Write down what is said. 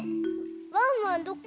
ワンワンどこ？